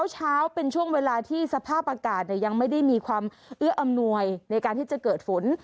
เช้าเป็นช่วงเวลาที่สภาพอากาศยังไม่ได้มีความเอื้ออำนวยในการที่จะเกิดฝน